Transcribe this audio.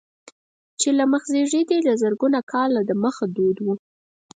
چې له مخزېږدي نه زرګونه کاله دمخه دود و.